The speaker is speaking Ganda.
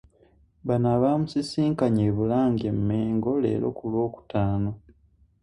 Bano abamusisinkanye mu Bulange e Mmengo leero ku Lwokutaano